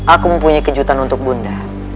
aku mempunyai kejutan untuk bunda